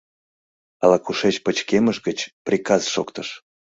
Ала-кушеч пычкемыш гыч приказ шоктыш: